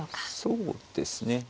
そうですね。